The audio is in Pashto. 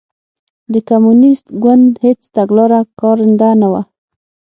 د کمونېست ګوند هېڅ تګلاره کارنده نه وه.